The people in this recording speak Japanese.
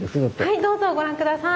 はいどうぞご覧下さい。